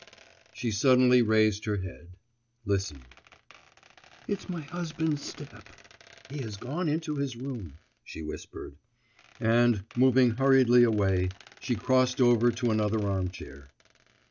She suddenly raised her head, listened.... 'It's my husband's step, ... he has gone into his room,' she whispered, and, moving hurriedly away, she crossed over to another armchair.